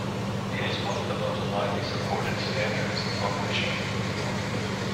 It is one of the most widely supported standards on the machine.